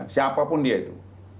siapa pun dia itu